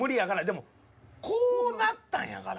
でもこうなったんやから。